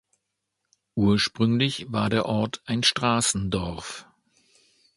Ursprünglich war der Ort ein Straßendorf.